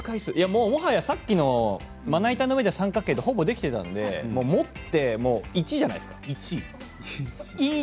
さっきのまな板の上で三角形でほぼできたので持って、１じゃないですか？